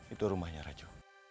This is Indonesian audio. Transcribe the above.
itu rumahnya raju